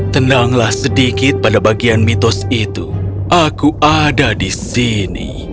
tenanglah sedikit pada bagian mitos itu aku ada di sini